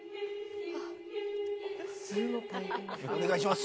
お願いします！